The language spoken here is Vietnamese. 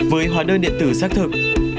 với hóa đơn điện tử xác thực